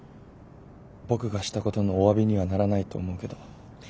僕がしたことのおわびにはならないと思うけど。